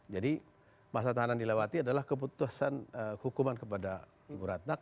jadi masa pertahanan dilewati adalah keputusan hukuman kepada buratna karena